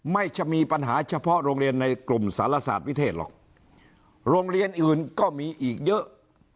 จะมีปัญหาเฉพาะโรงเรียนในกลุ่มสารศาสตร์วิเทศหรอกโรงเรียนอื่นก็มีอีกเยอะ